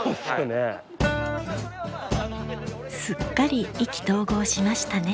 すっかり意気投合しましたね。